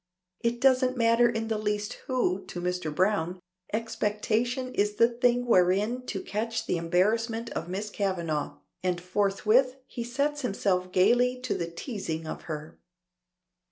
It doesn't matter in the least who to Mr. Browne, expectation is the thing wherein to catch the embarrassment of Miss Kavanagh, and forthwith he sets himself gaily to the teazing of her.